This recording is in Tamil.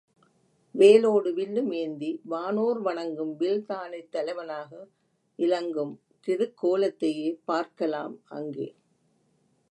வேலோடு வில்லும் ஏந்தி, வானோர் வணங்கும் வில்தானைத்தலைவனாக இலங்கும் திருக் கோலத்தையே பார்க்கலாம் அங்கே.